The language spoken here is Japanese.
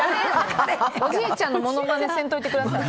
おじいちゃんのものまねせんといてください。